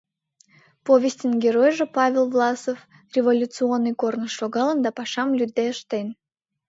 Повестьын геройжо Павел Власов революционный корныш шогалын да пашам лӱдде ыштен.